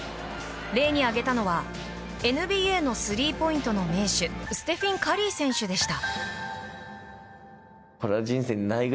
例に挙げたのはＮＢＡのスリーポイントの名手ステフィン・カリー選手でした。